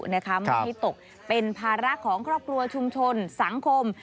ไม่ให้ตกเป็นภาระของครอบครัวชุมชนสังคม